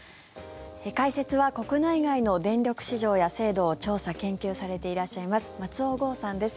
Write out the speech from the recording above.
解説は国内外の電力市場や制度を調査・研究されていらっしゃいます松尾豪さんです。